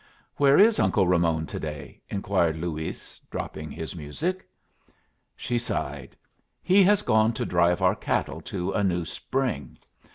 "Where is Uncle Ramon to day?" inquired Luis, dropping his music. She sighed. "He has gone to drive our cattle to a new spring.